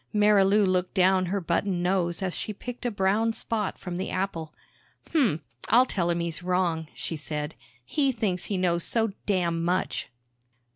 Marilou looked down her button nose as she picked a brown spot from the apple. "Hmmph, I'll tell 'im he's wrong," she said. "He thinks he knows so damn much!"